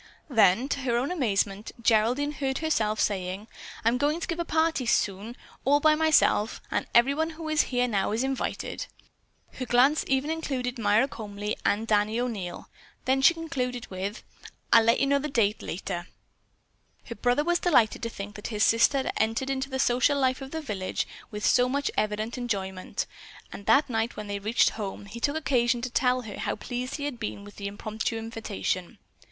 Then, to her own amazement, Geraldine heard herself saying: "I'm going to give a party soon all by myself, and everyone who is here now is invited." Her glance even included Myra Comely and Danny O'Neil. Then she concluded with, "I'll let you know the date later." Her brother was delighted to think that his sister had entered into the social life of the village with so much evident enjoyment, and that night when they reached home he took occasion to tell her how pleased he had been with the impromptu invitation.